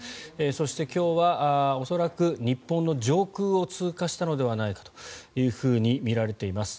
そして、今日は恐らく日本の上空を通過したのではないかとみられています。